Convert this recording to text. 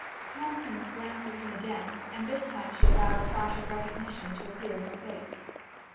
Constance glanced at him again, and this time she allowed a flash of recognition to appear in her face.